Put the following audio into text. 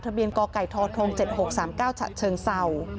เบียนกไก่ทท๗๖๓๙ฉะเชิงเศร้า